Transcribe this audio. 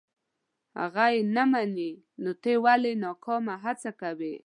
که یې هغه نه مني نو ته ولې ناکامه هڅه کوې.